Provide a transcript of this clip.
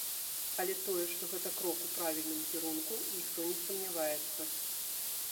Але тое, што гэта крок у правільным кірунку, ніхто не сумняваецца.